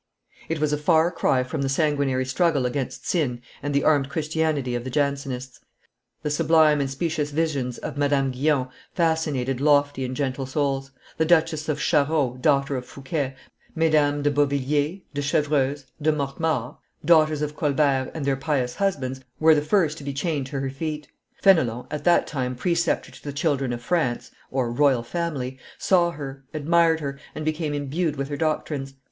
It was a far cry from the sanguinary struggle against sin and the armed Christianity of the Jansenists; the sublime and specious visions of Madame Guy on fascinated lofty and gentle souls: the Duchess of Charost, daughter of Fouquet, Mesdames de Beauvilliers, de Chevreuse, de Mortemart, daughters of Colbert, and their pious husbands, were the first to be chained to her feet. Fenelon, at that time, preceptor to the children of France (royal family), saw her, admired her, and became imbued with her doctrines.